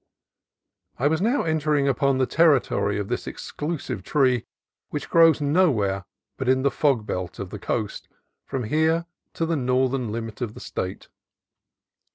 I was now entering upon the terri tory of this exclusive tree, which grows nowhere but in the fog belt of the coast from here to the north ern limit of the State.